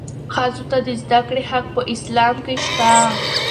ښځو ته د زدهکړې حق په اسلام کې شته.